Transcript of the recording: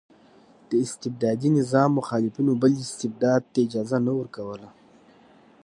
د استبدادي نظام مخالفینو بل استبداد ته اجازه نه ورکوله.